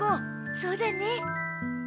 そうだね。